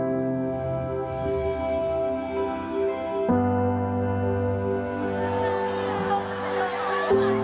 และถูกย่งสองคนอยู่ในจิตและประเทศไทย